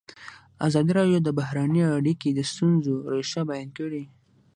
ازادي راډیو د بهرنۍ اړیکې د ستونزو رېښه بیان کړې.